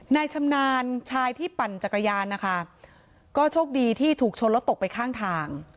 ชำนาญชายที่ปั่นจักรยานนะคะก็โชคดีที่ถูกชนแล้วตกไปข้างทาง